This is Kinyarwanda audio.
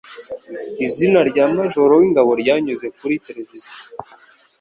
Izina rya majoro wingabo ryanyuze kuri televiziyo